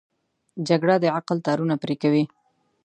جګړه د عقل تارونه پرې کوي